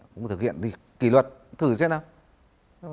không thực hiện thì kỷ luật thử xem nào